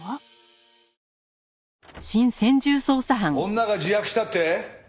女が自白したって？